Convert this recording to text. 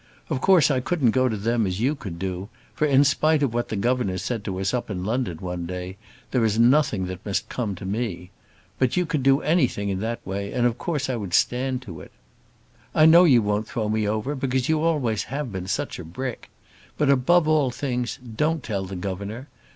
Of course I couldn't go to them as you could do, for, in spite of what the governor said to us up in London one day, there is nothing that must come to me. But you could do anything in that way, and of course I would stand to it. I know you won't throw me over, because you always have been such a brick. But above all things don't tell the governor.